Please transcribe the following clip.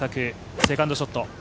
セカンドショット。